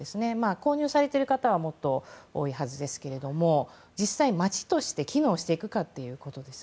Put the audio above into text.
購入されている方はもっと多いはずですけれども実際、街として機能していくかということです。